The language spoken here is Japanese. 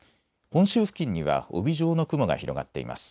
本州付近には帯状の雲が広がっています。